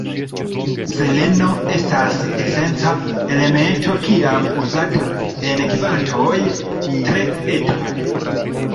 Seleno esta esenca elemento kiam uzata en kvantoj tre etaj.